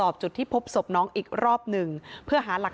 เบอร์ลูอยู่แบบนี้มั้งเยอะมาก